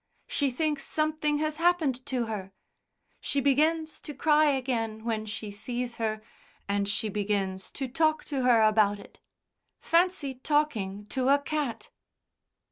She thinks something has happened to her. She begins to cry again when she sees her, and she begins to talk to her about it. Fancy talking to a cat...."